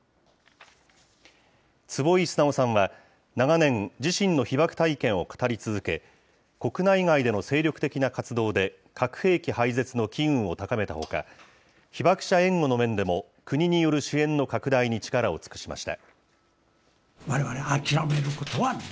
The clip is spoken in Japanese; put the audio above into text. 坪井直さんは、長年、自身の被爆体験を語り続け、国内外での精力的な活動で、核兵器廃絶の機運を高めたほか、被爆者援護の面でも国による支援の拡大に力を尽くしました。